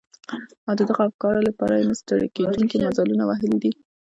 او د دغو افکارو لپاره يې نه ستړي کېدونکي مزلونه وهلي دي.